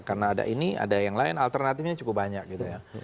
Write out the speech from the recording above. karena ada ini ada yang lain alternatifnya cukup banyak gitu ya